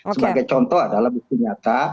sebagai contoh adalah bukti nyata